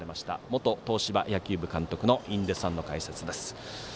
元東芝野球部監督の印出さんの解説です。